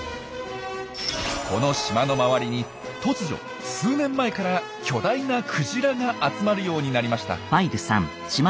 この島の周りに突如数年前から巨大なクジラが集まるようになりました。